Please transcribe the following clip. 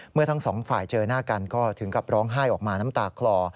เมื่อทั้งสองฝ่ายเจอหน้ากันก็ถึงกับร้องไห้ออกมาน้ำตาคลอ